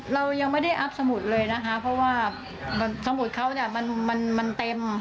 เรายังไม่ได้อัพสมุดเลยนะคะเพราะว่าสมุดเขาเนี่ยมันเต็ม